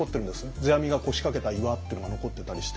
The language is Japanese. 世阿弥が腰掛けた岩っていうのが残ってたりして。